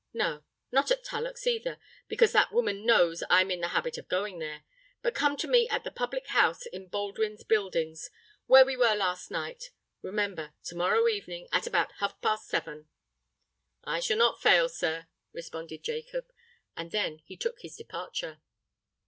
No—not at Tullock's either—because that woman knows I am in the habit of going there: but come to me at the public house in Baldwin's Buildings where we were last night. Remember—to morrow evening, at about half past seven." "I shall not fail, sir," responded Jacob: and he then took his departure.